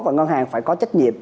và ngân hàng phải có trách nhiệm